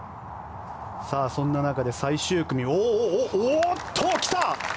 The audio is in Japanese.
そんな中で最終組おっと、来た！